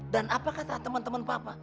dan apa kata teman teman papa